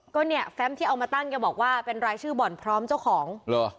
ก็เนี่ยแฟมที่เอามาตั้งแกบอกว่าเป็นรายชื่อบ่อนพร้อมเจ้าของเหรอ